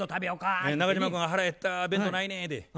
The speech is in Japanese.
中島君が「腹へった弁当ないねん」て。